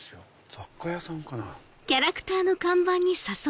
雑貨屋さんかな？